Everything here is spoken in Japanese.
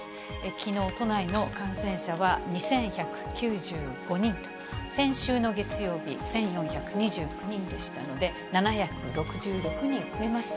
きのう、都内の感染者は２１９５人と、先週の月曜日、１４２９人でしたので、７６６人増えました。